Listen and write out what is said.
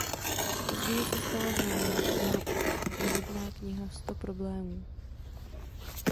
Později se stala známou jeho podobná kniha "Sto problémů".